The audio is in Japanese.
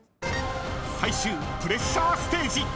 ［最終プレッシャーステージ］